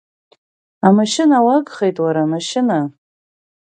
Амашьына уагхеит уара, амашьына!